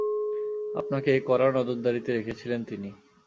আপনাকে কড়া নজরদারীতে রেখেছিলেন তিনি।